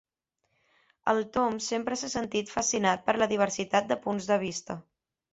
El Tom sempre s'ha sentit fascinat per la diversitat de punts de vista.